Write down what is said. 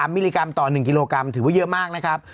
มิลลิกรัมต่อ๑กิโลกรัมถือว่าเยอะมากนะครับ